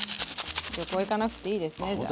旅行行かなくていいですねじゃあ。